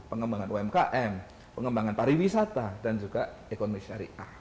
pengembangan umkm pengembangan pariwisata dan juga ekonomi syariah